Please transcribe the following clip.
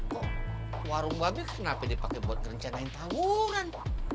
kok warung babi kenapa dipakai buat ngerencanain tawuran